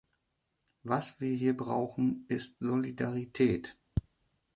Was wir hier brauchen, ist Solidarität.